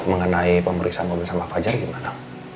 mengenai pemeriksaan mobil sama fajar gimana